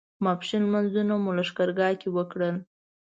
ماسپښین لمونځونه مو لښکرګاه کې وکړل.